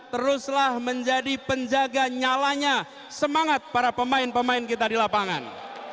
teruslah menjadi penjaga nyalanya semangat para pemain pemain kita di lapangan